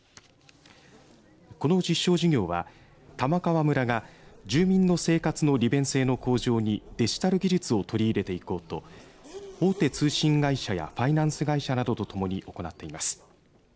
この実証事業は、玉川村が住民の生活の利便性の向上にデジタル技術を取り入れていこうと大手通信会社やファイナンス会社などとともに行っています。